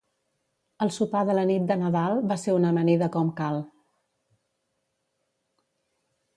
el sopar de la nit de Nadal va ser una amanida com cal